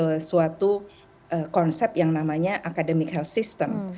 ke suatu konsep yang namanya academic health system